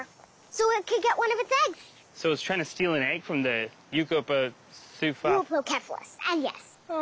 そう。